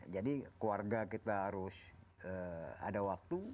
jadi keluarga kita harus ada waktu